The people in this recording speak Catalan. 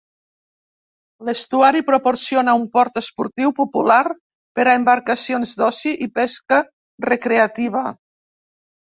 L'estuari proporciona un port esportiu popular per a embarcacions d'oci i pesca recreativa.